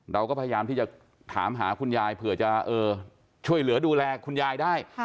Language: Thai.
เราก็พยายามที่จะถามหาคุณยายเผื่อจะช่วยเหลือดูแลคุณยายได้